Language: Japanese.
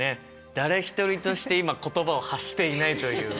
誰一人として今言葉を発していないという。